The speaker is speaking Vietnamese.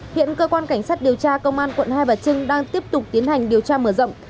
hiện cơ quan cảnh sát điều tra công an quận hai bà trưng đang tiếp tục tiến hành điều tra mở rộng